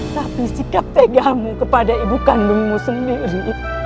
tapi sikap tegamu kepada ibu kandungmu sendiri